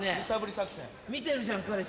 見てるじゃん彼氏。